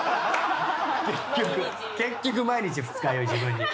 結局毎日二日酔い自分に。